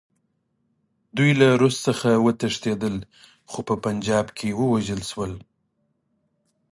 دوی له روس څخه وتښتېدل، خو په پنجاب کې ووژل شول.